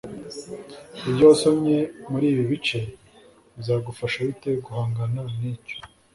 ibyo wasomye muri ibi bice bizagufasha bite guhangana n icyo